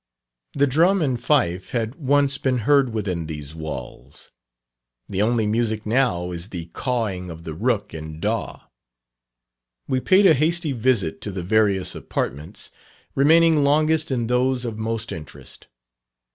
The drum and fife had once been heard within these walls the only music now is the cawing of the rook and daw. We paid a hasty visit to the various apartments, remaining longest in those of most interest.